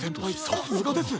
さすがです！